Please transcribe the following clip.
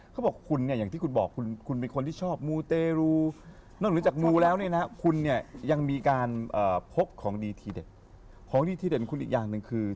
ของดีทีเด็ดคุณอีกอย่างหนึ่งคือ